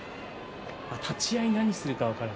立ち合い何するか分からない